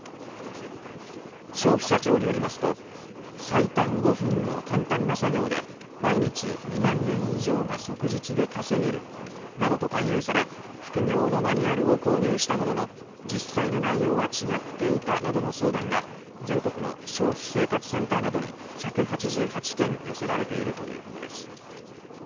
消費者庁によりますと最短５分の簡単な作業で毎日２万円以上が即日で稼げるなどと勧誘され副業のマニュアルを購入したものの実際の内容は違っていたなどの相談が全国の消費生活センターなどに１８８件寄せられているということです。